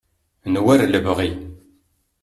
n war lebɣi